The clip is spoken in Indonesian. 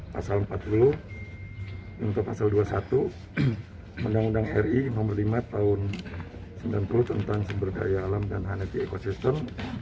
pasal empat puluh untuk pasal dua puluh satu mendang endang ri nomor lima tahun seribu sembilan ratus sembilan puluh tentang seberdaya alam dan hanefi ekosistem